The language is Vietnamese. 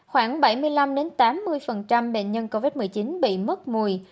khoảng bảy mươi năm tám mươi bệnh nhân covid một mươi chín bị mất mùi